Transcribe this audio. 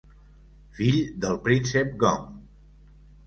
Fill del príncep Gong.